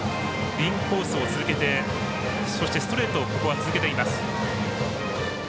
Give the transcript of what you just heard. インコースを続けてそして、ストレートを続けています。